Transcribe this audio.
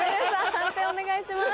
判定お願いします。